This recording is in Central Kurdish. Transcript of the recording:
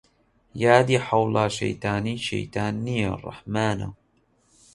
یادی حەوڵا شەیتانی شەیتان نیە ڕەحمانە